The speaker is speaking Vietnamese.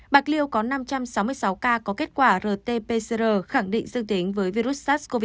bạc liêu có năm trăm sáu mươi sáu ca có kết quả rt pcr khẳng định dương tính với virus sars cov hai